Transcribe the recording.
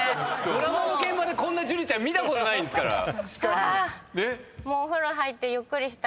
ドラマの現場でこんな樹里ちゃん見たことないんすから。